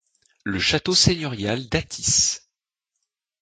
Le Château seigneurial d’Athis.